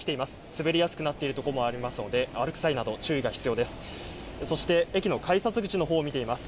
滑りやすくなっている所もありますので、歩く際など、注意が必要です。